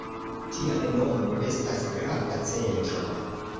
Tial, Romo estas grava centro.